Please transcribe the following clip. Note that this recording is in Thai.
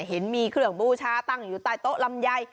เห็นมีเครื่องบูชาตั้งอยู่ใต้โต๊ะลำไย